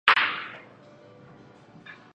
加速医疗院所工程